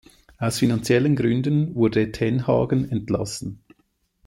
Aus finanziellen Gründen wurde Tenhagen entlassen.